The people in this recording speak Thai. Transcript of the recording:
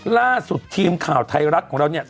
ล่าสุดทีมข่าวไทยรัฐของเราเนี่ย